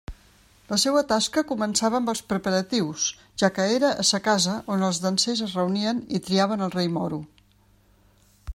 La seua tasca començava amb els preparatius, ja que era a sa casa on els dansers es reunien i triaven el Rei Moro.